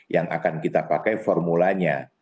yang akan kita pakai formulanya